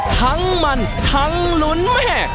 ทั้งมันทั้งลุ้นแม่